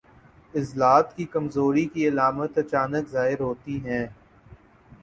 عضلات کی کمزوری کی علامات اچانک ظاہر ہوتی ہیں